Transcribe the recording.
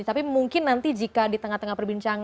tapi mungkin nanti jika di tengah tengah perbincangan